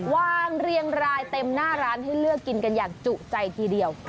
วางเรียงรายเต็มหน้าร้านให้เลือกกินกันอย่างจุใจทีเดียว